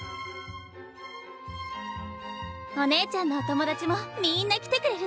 お姉ちゃんのお友達もみんな来てくれるって。